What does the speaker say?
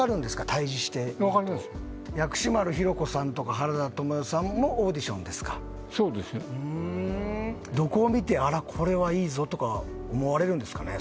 対峙してみると薬師丸ひろ子さんとか原田知世さんもオーディションですかそうですよどこを見てあらこれはいいぞとか思われるんですかね？